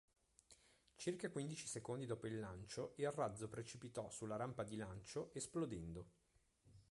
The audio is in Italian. Circa quindici secondi dopo il lancio il razzo precipitò sulla rampa di lancio esplodendo.